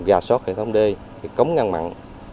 gà sót hệ thống d cống ngăn mặn